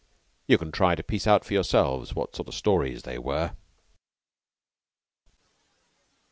You can try to piece out for yourselves what sort of stories they were.